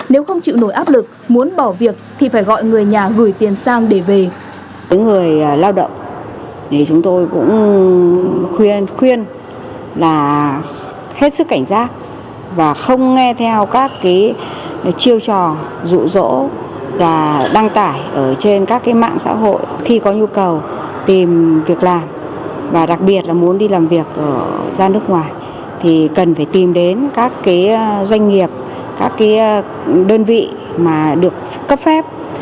nếu không chịu nổi áp lực muốn bỏ việc thì phải gọi người nhà gửi tiền sang để về